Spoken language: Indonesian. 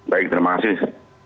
baik terima kasih